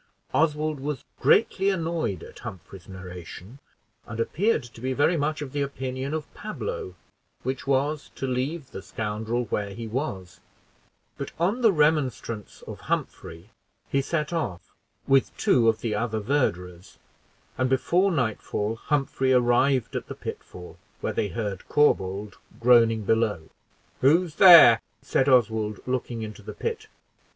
Oswald was greatly annoyed at Humphrey's narration, and appeared to be very much of the opinion of Pablo, which was, to leave the scoundrel where he was; but, on the remonstrance of Humphrey, he set off, with two of the other verderers, and before nightfall Humphrey arrived at the pitfall, where they heard Corbould groaning below. "Who's there?" said Oswald, looking into the pit.